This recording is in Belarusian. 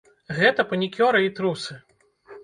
Гэта панікёры і трусы!